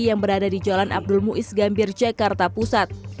yang berada di jalan abdul muiz gambir jakarta pusat